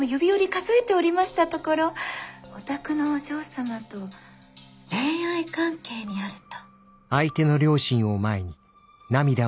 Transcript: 数えておりましたところお宅のお嬢様と恋愛関係にあると。